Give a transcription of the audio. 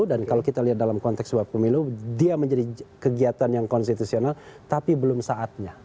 kalau kita lihat dalam konteks suap pemilu dia menjadi kegiatan yang konstitusional tapi belum saatnya